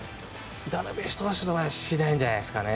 ダルビッシュ投手の場合はしないんじゃないですかね。